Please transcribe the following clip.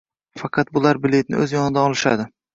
Faqat bular biletni oʻz yonidan olishadi.